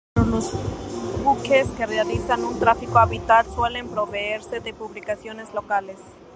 Pero los buques que realizan un tráfico habitual suelen proveerse de publicaciones locales.